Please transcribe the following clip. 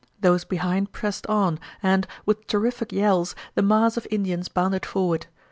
Those behind pressed on, and, with terrific yells, the mass of Indians bounded forward.